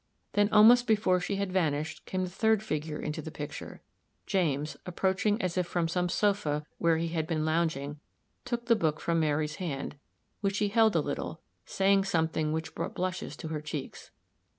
Then, almost before she had vanished, came the third figure into the picture. James, approaching as if from some sofa where he had been lounging, took the book from Mary's hand, which he held a little, saying something which brought blushes to her cheeks.